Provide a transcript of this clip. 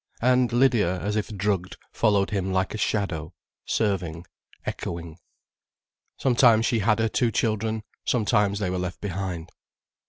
And Lydia, as if drugged, followed him like a shadow, serving, echoing. Sometimes she had her two children, sometimes they were left behind.